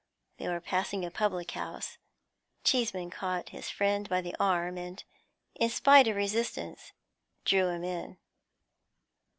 They were passing a public house; Cheeseman caught his friend by the arm and, in spite of resistance, drew him in.